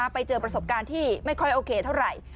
ไปเจอประสบการณ์ที่ไม่ค่อยโอเคเท่าไหร่